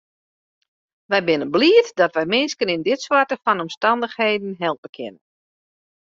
Wy binne bliid dat wy minsken yn dit soarte fan omstannichheden helpe kinne.